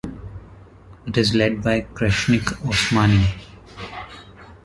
It is led by Kreshnik Osmani.